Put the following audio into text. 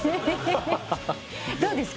どうですか？